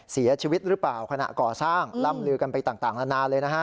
เสียชีวิตหรือเปล่าขณะก่อสร้างล่ำลือกันไปต่างนานาเลยนะฮะ